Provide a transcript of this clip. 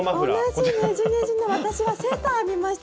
同じねじねじの私はセーター編みました